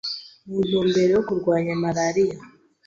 mu ntumbero yo kurwanya malaria.